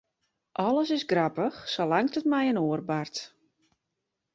Alles is grappich, salang't it mei in oar bart.